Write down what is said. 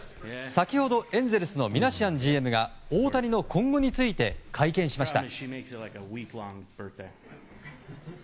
先ほど、エンゼルスのミナシアンＧＭが大谷の今後について会見しました。